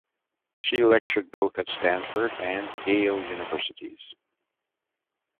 She lectured both at Stanford and Yale Universities.